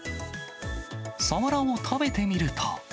サワラを食べてみると。